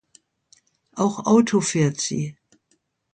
Auch Auto fährt sie.